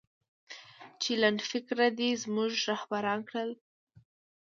چې لنډفکره دې زموږه رهبران کړل